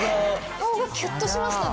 顔がキュッとしましたね。